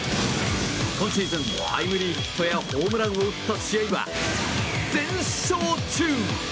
今シーズン、タイムリーヒットやホームランを打った試合は全勝中！